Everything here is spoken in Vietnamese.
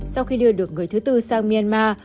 sau khi đưa được người thứ tư sang myanmar